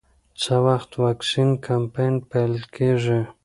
څه وخت واکسین کمپاین پیل کېږي؟